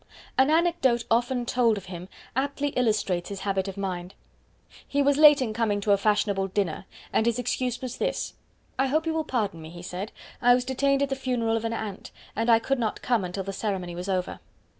An anecdote often told of him aptly illustrates his habit of mind. He was late in coming to a fashionable dinner, and his excuse was this: "I hope you will pardon me," he said. "I was detained at the funeral of an ant, and I could not come until the ceremony was over."